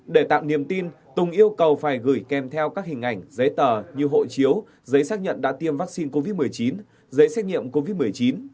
để tạm niềm tin tùng yêu cầu phải gửi kèm theo các hình ảnh giấy tờ như hộ chiếu giấy xác nhận đã tiêm vaccine covid một mươi chín